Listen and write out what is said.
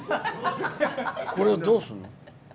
これを、どうするの？